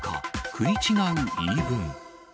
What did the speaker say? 食い違う言い分。